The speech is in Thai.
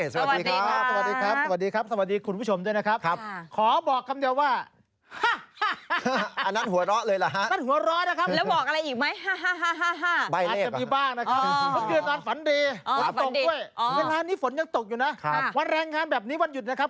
สวัสดีครับสวัสดีครับสวัสดีคุณผู้ชมด้วยนะครับ